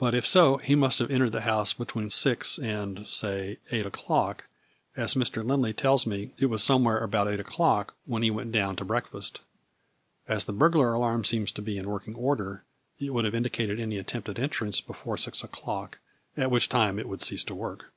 But if so, he must have entered the house between six and say eight o'clock, as Mr. Lindley tells me it was somewhere about eight o'clock when he A FLURRY IN DIAMONDS. 77 went down to breakfast. As the burglar alarm seems to be in working order, it would have indicated any attempted entrance before six o'clock, at which time it would cease to work.